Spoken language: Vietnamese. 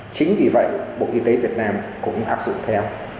chính vì vậy bộ y tế việt nam cũng áp dụng theo